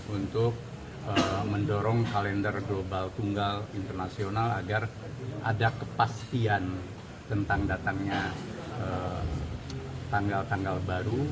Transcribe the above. untuk mendorong kalender global tunggal internasional agar ada kepastian tentang datangnya tanggal tanggal baru